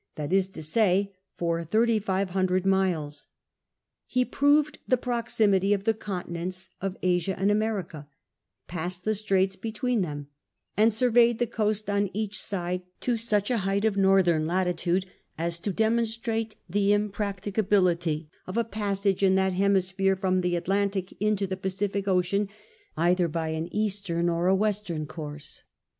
that is to say, for 3500 miles. ITe proved the proximity of the coiitiiieiits of Asia and America ; ]iassed the straits between them and surveyed the coast on each side to such a height of northern latitude as to deinoristrnte the ini practicabilit}' of a passage in that hemisphere from the Atlantic into the Pacific Ocean either by an eastern or a western course.